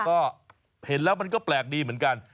ก็เห็นแล้วมันก็แปลกดีเหมือนกัน